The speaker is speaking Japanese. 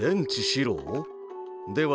では